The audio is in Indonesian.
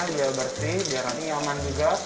biar bersih biar nanti nyaman juga